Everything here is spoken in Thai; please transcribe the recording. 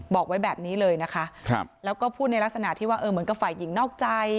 บอกไว้แบบนี้เลยนะคะแล้วก็พูดในลักษณะที่ว่าเออเหมือนกับฝ่ายหญิงนอกใจ